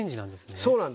そうなんです。